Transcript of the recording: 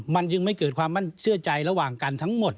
มันจึงไม่เกิดความมั่นเชื่อใจระหว่างกันทั้งหมด